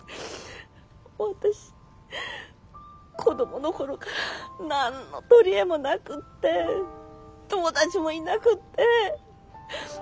私子供の頃から何の取り柄もなくって友達もいなくって。